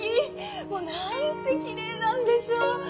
もうなんてきれいなんでしょう！